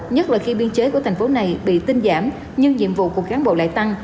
nhất là khi biên chế của tp này bị tinh giảm nhưng nhiệm vụ của cán bộ lại tăng